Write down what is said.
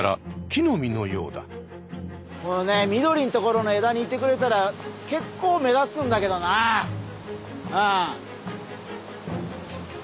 このね緑のところの枝にいてくれたらけっこう目立つんだけどなあ。